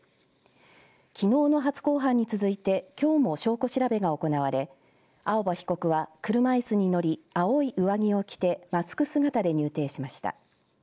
きのうの初公判に続いてきょうも証拠調べが行われ青葉被告は車いすに乗り青い上着を着てマスク姿で入廷しました。